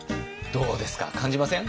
どうですか感じません？